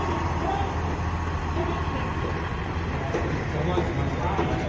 よく我慢しました。